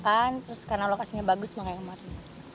kan terus karena lokasinya bagus makanya kemarin